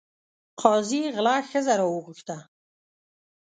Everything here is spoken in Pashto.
قاضي غله ښځه راوغوښته.